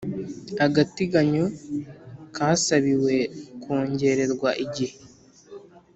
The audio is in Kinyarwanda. agateganyo kasabiwe kongererwa igihe